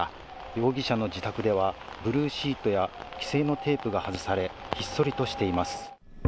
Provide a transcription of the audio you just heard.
容疑者の自宅ではブルーシートや規制のテープが外され、ひっそりとしています。